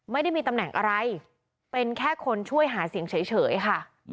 ไม่ได้มีตำแหน่งอะไรเป็นแค่คนช่วยหาเสียงเฉยค่ะ